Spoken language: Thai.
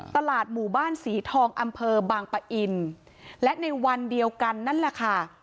ตลาดหมู่บ้านศรีทองอำเภอบางปะอินและในวันเดียวกันนั่นแหละค่ะ